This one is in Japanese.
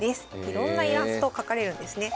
いろんなイラストを描かれるんですね。